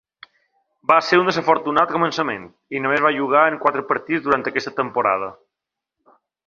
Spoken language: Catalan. Va ser un desafortunat començament, i només va jugar en quatre partits durant aquesta temporada.